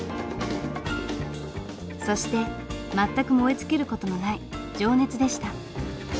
そして全く燃え尽きる事のない情熱でした。